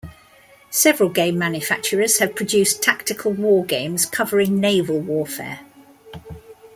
Several game manufacturers have produced tactical wargames covering naval warfare.